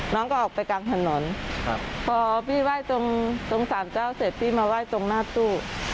น้องก็ออกไปกลางถนนพอพี่ไหว้ตรงตรงสามเจ้าเสร็จพี่มาไหว้ตรงหน้าตู้